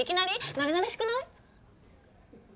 なれなれしくない？